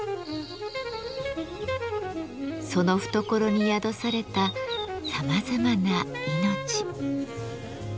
その懐に宿されたさまざまな命。